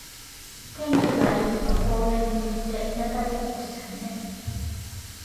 天気が良い日は公園に行って日向ぼっこしたいね。